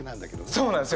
そうなんですよ！